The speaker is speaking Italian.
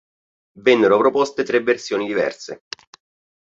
Vennero proposte tre versioni diverse.